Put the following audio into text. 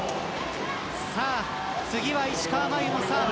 次は石川真佑のサーブ。